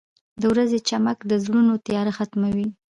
• د ورځې چمک د زړونو تیاره ختموي.